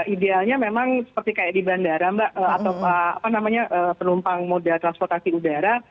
idealnya memang seperti kayak di bandara mbak atau penumpang moda transportasi udara